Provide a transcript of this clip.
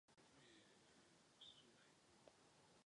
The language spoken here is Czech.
Automobilový průmysl patří mezi nejzasaženější.